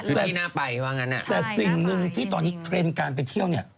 นี่น่าไปหรือเปล่างั้นนะใช่น่าไปจริงแต่สิ่งหนึ่งที่ตอนนี้เทรนด์การไปเที่ยวเนี่ย